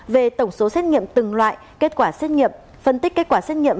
về tổng số xét nghiệm từng loại kết quả xét nghiệm phân tích kết quả xét nghiệm